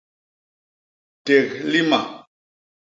Ték lima.